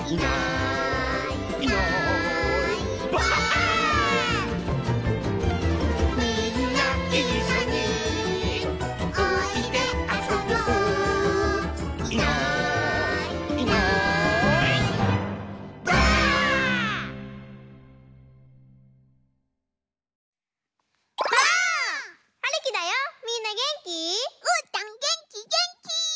うーたんげんきげんき！